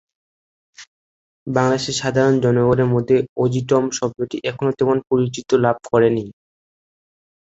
বাংলাদেশের সাধারণ জনগণের মধ্যে অটিজম শব্দটি এখনও তেমন পরিচিতি লাভ করেনি।